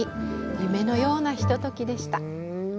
夢のようなひとときでした。